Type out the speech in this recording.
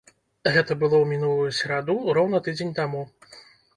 Гэта было ў мінулую сераду, роўна тыдзень таму.